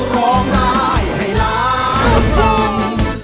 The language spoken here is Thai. ร้องได้ให้รัก